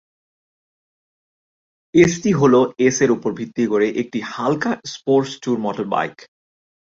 ST হলো "S" এর উপর ভিত্তি করে একটি হালকা স্পোর্টস-ট্যুর মোটরসাইকেল।